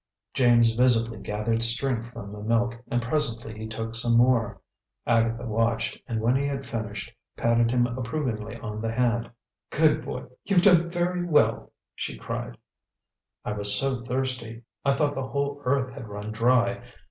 James visibly gathered strength from the milk, and presently he took some more. Agatha watched, and when he had finished, patted him approvingly on the hand, "Good boy! You've done very well," she cried. "I was so thirsty, I thought the whole earth had run dry.